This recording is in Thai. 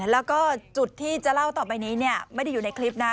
แล้วก็จุดที่จะเล่าต่อไปนี้ไม่ได้อยู่ในคลิปนะ